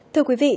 thưa quý vị